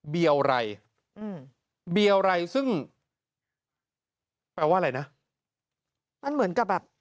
เบียวไรซึ่งแปลว่าอะไรนะ